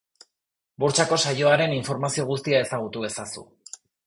Burtsako saioaren informazio guztia ezagutu ezazu.